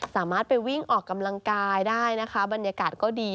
สามารถไปวิ่งออกกำลังกายได้นะคะบรรยากาศก็ดี